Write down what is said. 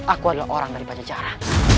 aku adalah orang dari pajajaran